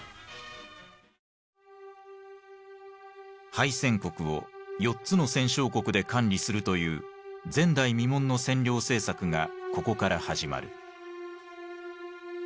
敗戦国を４つの戦勝国で管理するという前代未聞の占領政策がここから始まる。